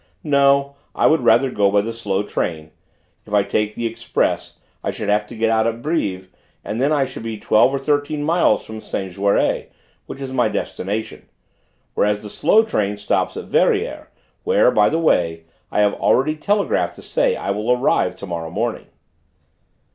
"No: I would rather go by the slow train. If I take the express I should have to get out at Brives, and then I should be twelve or thirteen miles from Saint Jaury, which is my destination; whereas the slow train stops at Verrières, where, by the way, I have already telegraphed to say I shall arrive to morrow morning."